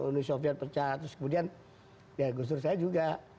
nusofiat pecat terus kemudian ya gus dur saya juga